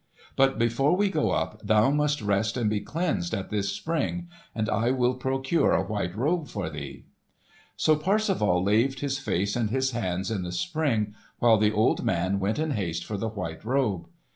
But before we go up, thou must rest and be cleansed at this spring; and I will procure a white robe for thee." So Parsifal laved his face and his hands at the spring, while the old man went in haste for the white robe.